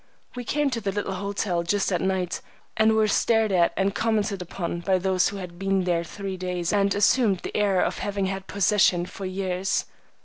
We came to the little hotel just at night, and were stared at and commented upon by those who had been there three days and assumed the air of having had possession for years.